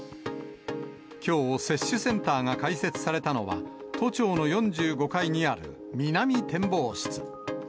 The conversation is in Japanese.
きょう、接種センターが開設されたのは、都庁の４５階にある南展望室。